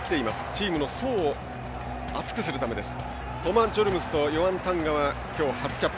チームの層を厚くするためです。